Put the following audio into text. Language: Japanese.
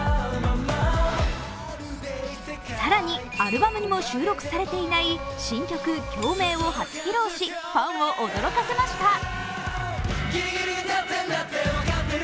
更に、アルバムにも収録されていない新曲「共鳴」を初披露しファンを驚かせました。